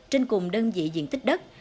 trên cùng đơn vị diện tích đất